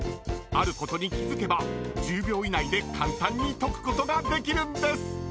［あることに気付けば１０秒以内で簡単に解くことができるんです］